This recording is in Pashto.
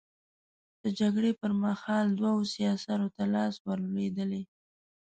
د جګړې پر مهال دوو سياسرو ته لاس ور لوېدلی.